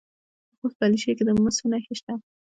د خوست په علي شیر کې د مسو نښې شته.